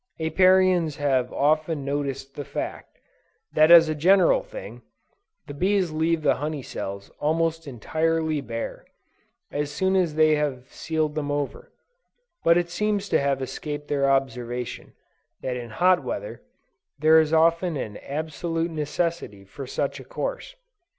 Apiarians have often noticed the fact, that as a general thing, the bees leave the honey cells almost entirely bare, as soon as they have sealed them over; but it seems to have escaped their observation, that in hot weather, there is often an absolute necessity for such a course.